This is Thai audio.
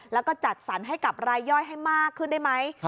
แล้วก็จัดสรรให้กับรายย่อยให้มากขึ้นได้ไหม